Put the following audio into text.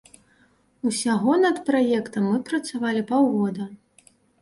Усяго над праектам мы працавалі паўгода.